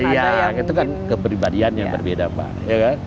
iya itu kan keperibadian yang berbeda mbak